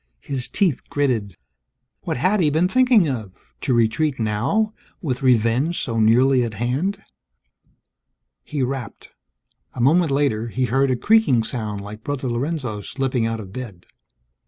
His teeth gritted. What had he been thinking of to retreat now, with revenge so nearly at hand! He rapped. A moment later, he heard a creaking sound like Brother Lorenzo slipping out of bed.